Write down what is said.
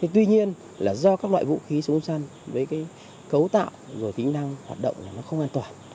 tuy nhiên là do các loại vũ khí súng săn với cái cấu tạo rồi tính năng hoạt động là nó không an toàn